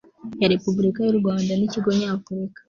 ya repubulika y u rwanda n ikigo nyafurika